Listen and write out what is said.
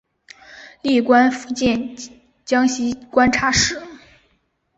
历官福建江西观察使。